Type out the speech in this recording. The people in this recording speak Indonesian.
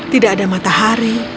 tidak ada matahari